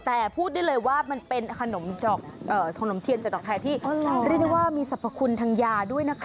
แต่พูดได้เลยว่ามันเป็นขนมเทียนจากดอกแคร์ที่เรียกได้ว่ามีสรรพคุณทางยาด้วยนะคะ